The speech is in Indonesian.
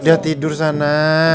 dia tidur sana